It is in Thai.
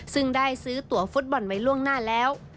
ซึ่งได้ซื้อตัวฟุตบอลไว้ล่วงหน้าแล้ว